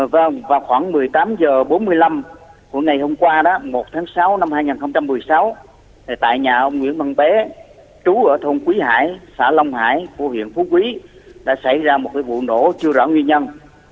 vào khoảng một mươi tám h bốn mươi năm của ngày hôm qua đó một tháng sáu năm hai nghìn một mươi sáu tại nhà ông nguyễn văn bé trú ở thôn quý hải xã long hải của huyện phú quý đã xảy ra một vụ nổ chưa rõ nguyên nhân